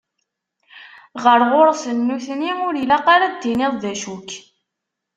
Ɣer ɣur-sen nutni, ur ilaq ara ad d-tiniḍ d acu-k.